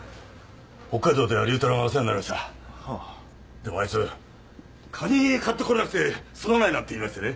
でもあいつカニ買ってこれなくてすまないなんて言いましてね。